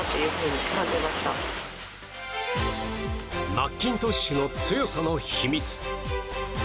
マッキントッシュの強さの秘密。